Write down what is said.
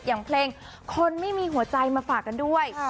อย่างเพลงคนไม่มีหัวใจมาฝากกันด้วย